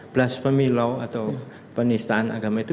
belas pemilu atau penistaan agama itu